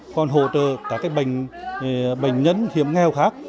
còn hỗ trợ cả bệnh nhân hiểm nghèo khác